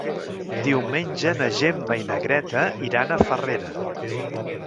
Diumenge na Gemma i na Greta iran a Farrera.